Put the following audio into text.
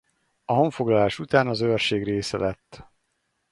A honfoglalás után az Őrség része lett.